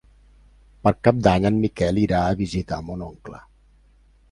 Per Cap d'Any en Miquel irà a visitar mon oncle.